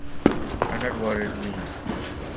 And that worried me.